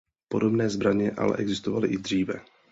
Podobné zbraně ale existovaly i dříve.